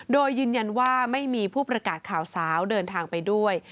โดยยืนยันว่าไม่มีผู้ประกาศข่าวสาวเดินทางไปด้วย